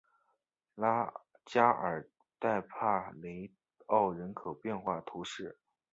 拉加尔代帕雷奥人口变化图示